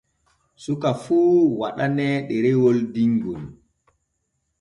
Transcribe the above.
Suka fun waɗaane ɗerewol dingol.